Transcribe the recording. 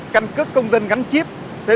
căn cước công dân gắn chip